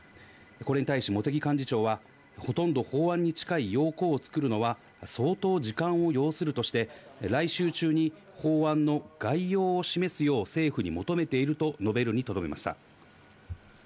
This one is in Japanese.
これに対し茂木幹事長は、ほとんど法案に近い要綱を作るのは相当時間を要するとして、来週中に法案の概要を示すよう、政府に求めていると述べるにとどめました。